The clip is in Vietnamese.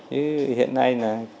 như hiện nay